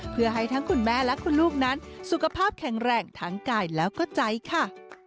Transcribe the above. เพื่อให้ทั้งคุณแม่และคุณลูกนั้นสุขภาพแข็งแรงทั้งกายแล้วก็ใจค่ะ